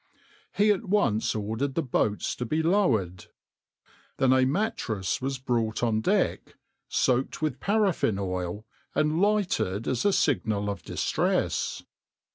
He at once ordered the boats to be lowered. Then a mattress was brought on deck, soaked with paraffin oil, and lighted as a signal of distress.